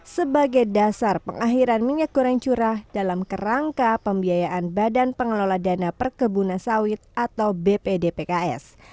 sebagai dasar pengakhiran minyak goreng curah dalam kerangka pembiayaan badan pengelola dana perkebunan sawit atau bpdpks